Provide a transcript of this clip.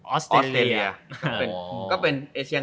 ออสเตรเลีย